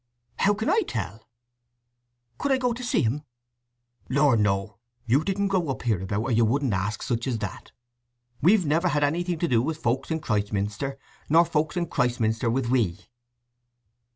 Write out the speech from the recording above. "How can I tell?" "Could I go to see him?" "Lord, no! You didn't grow up hereabout, or you wouldn't ask such as that. We've never had anything to do with folk in Christminster, nor folk in Christminster with we."